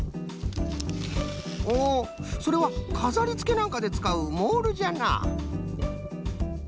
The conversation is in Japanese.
おそれはかざりつけなんかでつかうモールじゃな。